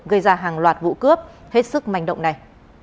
gây ra hàng loạt vụ cướp hết sức manh động này